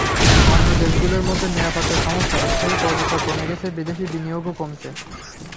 অন্য দেশগুলোর মধ্যে নিরাপত্তার সমস্যায় মিসরে পর্যটক কমে গেছে, বিদেশি বিনিয়োগও কমেছে।